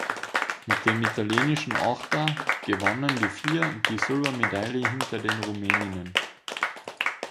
Mit dem italienischen Achter gewannen die vier die Silbermedaille hinter den Rumäninnen.